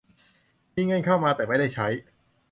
มีเงินเข้ามาแต่ไม่ได้ใช้